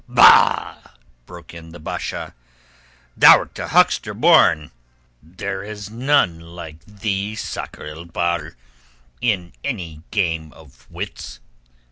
"Bah!" broke in the Basha. "Thou'rt a huckster born. There is none like thee, Sakr el Bahr, in any game of wits.